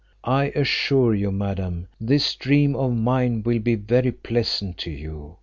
I assure you, madam, this dream of mine will be very pleasant to you.